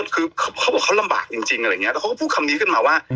คือเขาบอกเขาลำบากจริงแล้วเขาพูดคำนี้ขึ้นมาว่า